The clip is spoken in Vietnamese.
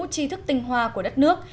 chi thức tinh hoa của đất nước